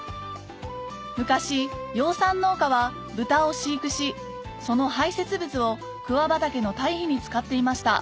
昔養蚕農家は豚を飼育しその排せつ物を桑畑の堆肥に使っていました